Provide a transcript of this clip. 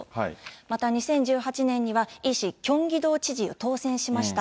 また２０１８年には、イ氏、キョンギ道知事に当選しました。